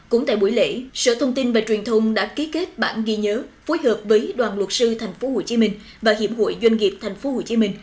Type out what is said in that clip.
cũng tại buổi lễ sở thông tin và truyền thông đã ký kết bản ghi nhớ phối hợp với đoàn luật sư tp hcm và hiệp hội doanh nghiệp tp hcm